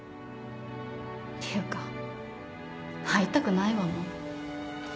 っていうか会いたくないわもう。